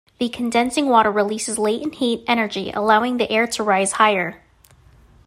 The condensing water releases latent heat energy allowing the air to rise higher.